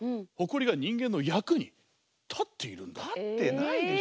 実は立ってないでしょう。